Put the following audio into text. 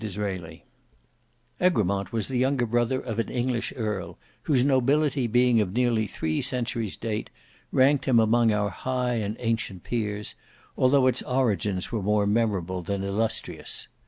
Book 1 Chapter 3 Egremont was the younger brother of an English earl, whose nobility being of nearly three centuries' date, ranked him among our high and ancient peers, although its origin was more memorable than illustrious.